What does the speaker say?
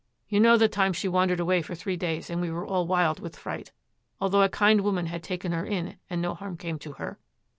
You know the time she wandered away for three days and we were all wild with fright, although a kind woman had taken her in and no harm came to her.